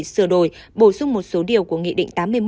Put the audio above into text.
xuống một số điều của nghị định tám mươi một